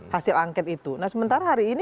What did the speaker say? hasil angket itu nah sementara hari ini